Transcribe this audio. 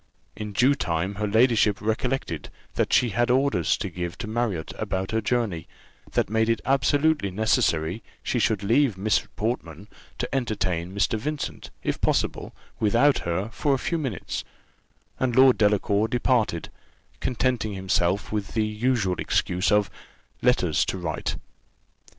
In due time her ladyship recollected that she had orders to give to Marriott about her journey, that made it absolutely necessary she should leave Miss Portman to entertain Mr. Vincent, if possible, without her, for a few minutes; and Lord Delacour departed, contenting himself with the usual excuse of letters to write.